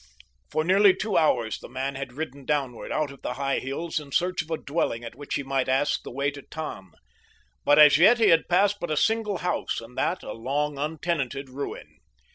For nearly two hours the man had ridden downward out of the high hills in search of a dwelling at which he might ask the way to Tann; but as yet he had passed but a single house, and that a long untenanted ruin.